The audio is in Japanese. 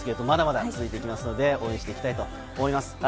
まだまだ続いていきますので応援していただきたいと思います。